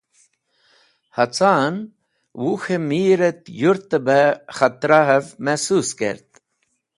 Hacaan Wuk̃h Mir et Yurte be Khatrahev Mehsus kert.